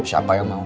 siapa yang mau